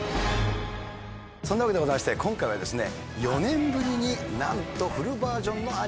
そんなわけでございまして今回はですね。